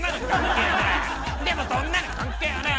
でもそんなの関係ねえ！